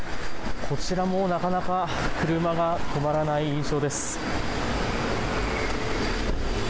こちらもなかなか車が止まらない印象です。